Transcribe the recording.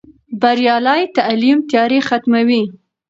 بریالی تعلیم تیارې ختموي.